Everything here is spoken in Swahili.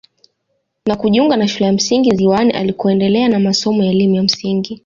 Na kujiunga na shule ya msingi ziwani alikoendelea na masomo ya elimu ya msingi